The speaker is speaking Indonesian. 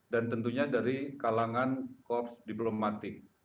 dan tentunya dari kalangan koks diplomatik